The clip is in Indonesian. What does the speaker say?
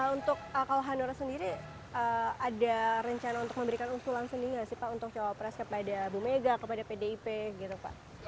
untuk kalau hanura sendiri ada rencana untuk memberikan unsur langsung juga sih pak untuk cowok pres kepada bu mega kepada pdp gitu pak